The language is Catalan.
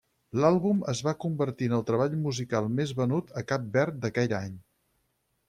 L'àlbum es va convertir en el treball musical més venut a Cap Verd d'aquell any.